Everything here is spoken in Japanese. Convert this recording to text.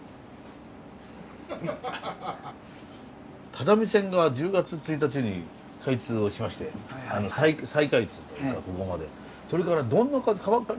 只見線が１０月１日に開通をしまして再開通というかここまでそれからどんな何かいろいろと変わりましたか？